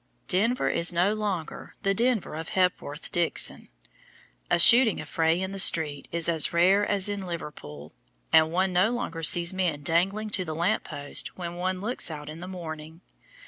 Denver is no longer the Denver of Hepworth Dixon. A shooting affray in the street is as rare as in Liverpool, and one no longer sees men dangling to the lamp posts when one looks out in the morning!